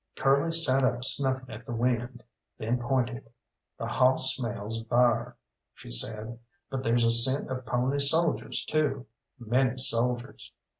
Curly sat up snuffing at the wind, then pointed. "The hawss smell's thar," she said, "but there's a scent of pony soldiers too many soldiers."